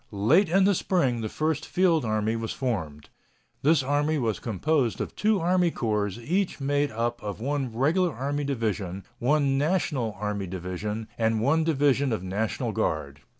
Late in the spring the first field army was formed. This army was composed of two army corps each made up of one Regular Army division, one National Army division, and one division of National Guard.